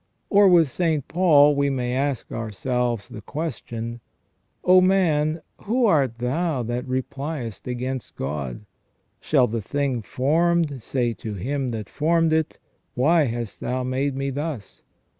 Or, with St. Paul, we may ask ourselves the question :" O man, who art thou that repliest against God ? Shall the thing formed say to him that formed it. Why hast thou made me thus?